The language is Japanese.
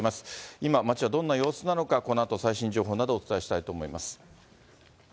今、街はどんな様子なのか、このあと最新情報などをお伝えしたいと思います。